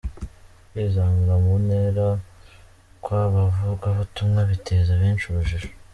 Kwizamura mu ntera kw’abavugabutumwa biteza benshi urujijo….